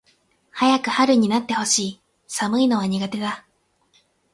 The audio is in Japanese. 早く春になって欲しい。寒いのは苦手だ。